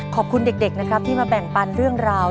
ขอบคุณเด็กนะครับที่มาแบ่งปันเรื่องราว